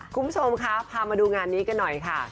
คุณผู้ชมคะพามาดูงานนี้กันหน่อยค่ะ